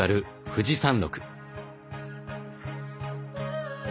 富士山麓。